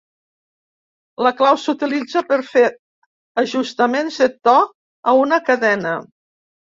La clau s'utilitza per fer ajustaments de to a una cadena.